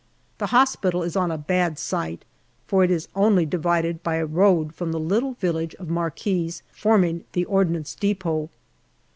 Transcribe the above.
The hospital is on a bad site, for it is only divided by a road from the little village of marquees forming the Ordnance depot.